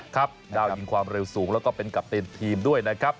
ดาวยิงความเร็วสูงแล้วก็เป็นกัปตันทีมด้วยนะครับ